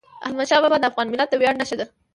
احمدشاه بابا د افغان ملت د ویاړ نښه ده.